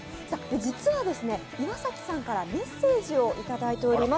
実は岩崎さんからメッセージをいただいています。